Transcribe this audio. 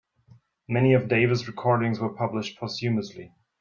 Many of Davis' recordings were published posthumously.